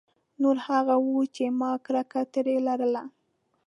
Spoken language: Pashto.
نور هغه وو چې ما کرکه ترې لرله.